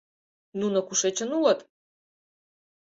— Нуно кушечын улыт?